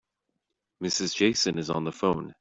Mrs. Jason is on the phone.